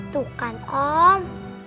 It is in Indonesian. tuh kan om